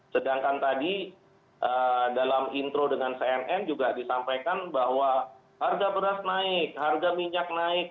sedangkan tadi dalam intro dengan cnn juga disampaikan bahwa harga beras naik harga minyak naik